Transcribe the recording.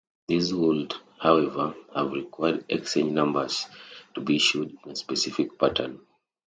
This would, however, have required exchange numbers to be issued in a specific pattern.